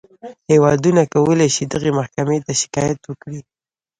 هېوادونه کولی شي دغې محکمې ته شکایت وکړي.